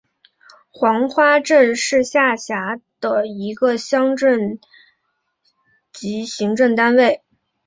黄花镇是下辖的一个乡镇级行政单位。